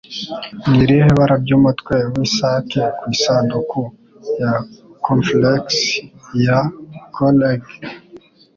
Ni irihe bara ry'umutwe w'isake ku isanduku ya Cornflakes ya Kellogg?